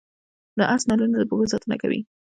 د اس نالونه د پښو ساتنه کوي